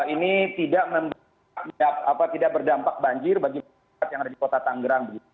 ini tidak berdampak banjir bagi masyarakat yang ada di kota tanggerang